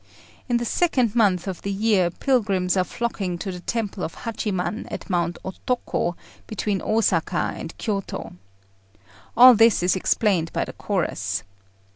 In the second month of the year pilgrims are flocking to the temple of Hachiman at Mount Otoko, between Osaka and Kiôto. All this is explained by the chorus.